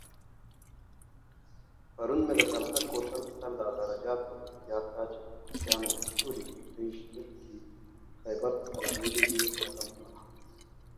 Jack and his mother also joined them in Brive after the bombing of Bordeaux.